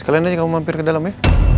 sekalian aja kamu mampir ke dalam ya